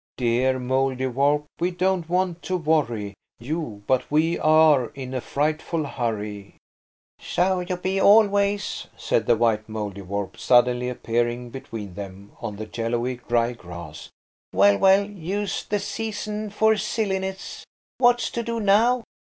Dear Mouldiwarp, we don't want to worry You–but we are in a frightful hurry." "So you be always," said the white Mouldiwarp, suddenly appearing between them on the yellowy dry grass. "Well, well! Youth's the season for silliness. What's to do now?